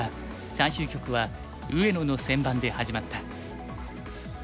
最終局は上野の先番で始まった。